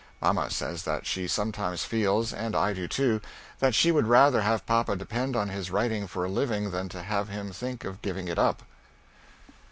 Mamma says that she sometimes feels, and I do too, that she would rather have papa depend on his writing for a living than to have him think of giving it up.